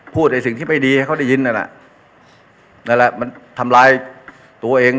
ในสิ่งที่ไม่ดีให้เขาได้ยินนั่นน่ะนั่นแหละมันทำร้ายตัวเอง